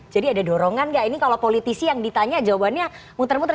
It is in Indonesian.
jadi ada dorongan gak ini kalau politisi yang ditanya jawabannya muter muter